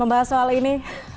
membahas soal ini